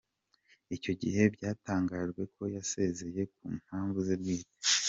Icyo gihe byatangajwe ko yasezeye ku mpamvu ze bwite.